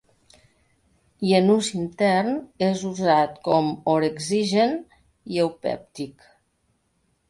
I en ús intern, és usat com orexigen i eupèptic.